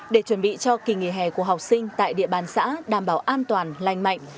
để chuẩn bị cho kỳ nghỉ hè của học sinh tại địa bàn xã đảm bảo an toàn lành mạnh